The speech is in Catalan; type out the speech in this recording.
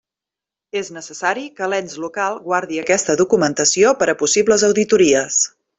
És necessari que l'ens local guardi aquesta documentació per a possibles auditories.